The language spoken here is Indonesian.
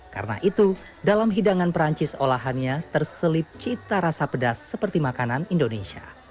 karena itu dalam hidangan prancis olahannya terselip cita rasa pedas seperti makanan indonesia